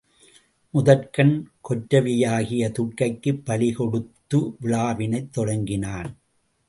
முதற்கண் கொற்றவையாகிய துர்க்கைக்குப் பலிகொடுத்து விழாவினைத் தொடங்கினான்.